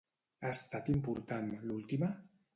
Ha estat important l'última?